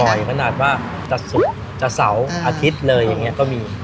บ่อยขนาดว่าจะสุดเจ้าอาทิตย์เลยต่อมี